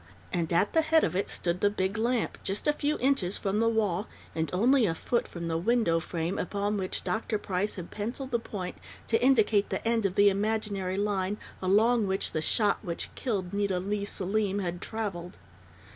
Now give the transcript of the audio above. And at the head of it stood the big lamp, just a few inches from the wall and only a foot from the window frame upon which Dr. Price had pencilled the point to indicate the end of the imaginary line along which the shot which killed Nita Leigh Selim had traveled.